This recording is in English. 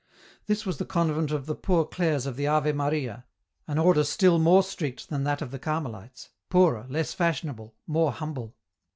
This was the convent of the Poor Clares of the Ave Maria, G 2 $4 EN ROUTE. an Order still more strict than that of the Carmelites, poorer, less fashionable, more humble.